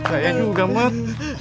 saya juga mot